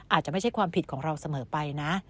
อาจจะไม่ใช่ความผิดของเราเสมอไปนะ